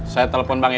saya telepon bang edi